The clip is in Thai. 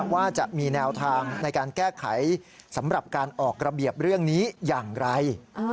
ว่าจะมีแนวทางในการแก้ไขสำหรับการออกระเบียบเรื่องนี้อย่างไร